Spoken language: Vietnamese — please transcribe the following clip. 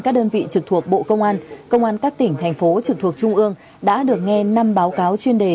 các đơn vị trực thuộc bộ công an công an các tỉnh thành phố trực thuộc trung ương đã được nghe năm báo cáo chuyên đề